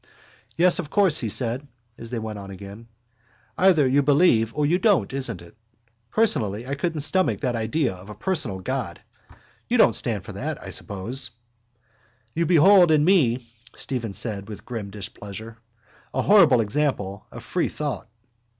—Yes, of course, he said, as they went on again. Either you believe or you don't, isn't it? Personally I couldn't stomach that idea of a personal God. You don't stand for that, I suppose? —You behold in me, Stephen said with grim displeasure, a horrible example of free thought.